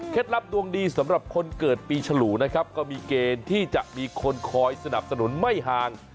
ลับดวงดีสำหรับคนเกิดปีฉลูนะครับก็มีเกณฑ์ที่จะมีคนคอยสนับสนุนไม่ห่าง